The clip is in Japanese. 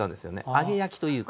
揚げ焼きというか。